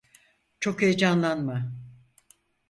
Çok heyecanlanma.